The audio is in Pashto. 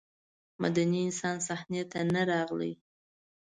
مدني انسان صحنې ته نه راغلی.